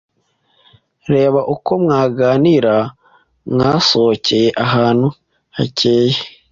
reba uko mwaganira mwasohokeye ahantu hakeye